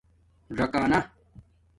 ژِکآنہ